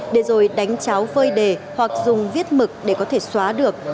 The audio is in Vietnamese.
để rồi đánh cháo phơi đề hoặc dùng viết mực để có thể xóa được